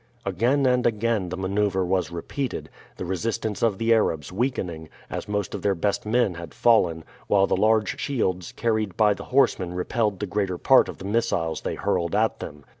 Again and again the maneuver was repeated, the resistance of the Arabs weakening, as most of their best men had fallen, while the large shields carried by the horsemen repelled the greater part of the missiles they hurled at them.